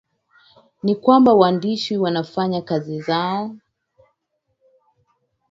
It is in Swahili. ni kwamba waandishi wanafanya kazi zao